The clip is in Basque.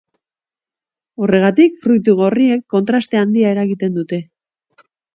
Horregatik, fruitu gorriek kontraste handia eragiten dute.